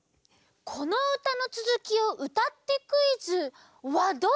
「このうたのつづきをうたってクイズ」はどうでしょう？